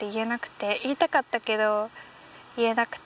言いたかったけど言えなくて。